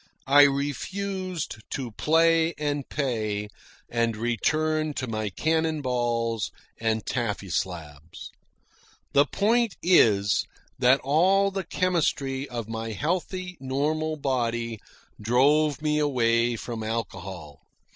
I refused to play and pay, and returned to my cannon balls and taffy slabs. The point is that all the chemistry of my healthy, normal body drove me away from alcohol.